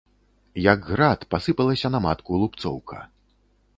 Як град, пасыпалася на матку лупцоўка.